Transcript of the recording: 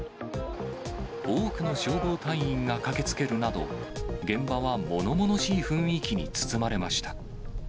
多くの消防隊員が駆けつけるなど、現場はものものしい雰囲気に包まれました。